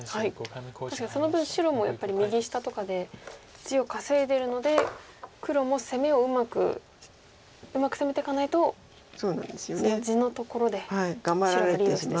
確かにその分白もやっぱり右下とかで地を稼いでるので黒も攻めをうまく攻めていかないとその地のところで白がリードしてしまうと。